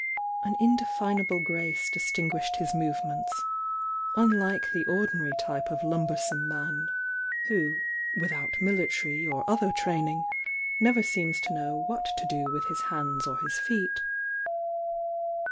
An indefin able grace distinguished his movements, unlike the ordinary type of lumbersome man, who, without military or other training, never seems to know what to do with his hands or his feet.